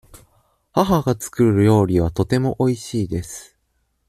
母が作る料理はとてもおいしいです。